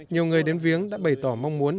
nhiều người đến viếng đã bày tỏ mong muốn